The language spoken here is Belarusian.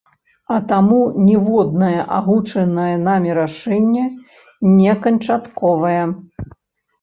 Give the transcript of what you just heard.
А таму ніводнае агучанае намі рашэнне не канчатковае.